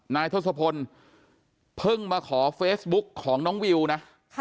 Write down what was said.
ทศพลเพิ่งมาขอเฟซบุ๊กของน้องวิวนะ